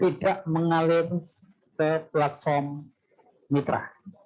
tidak mengalir ke platform mitra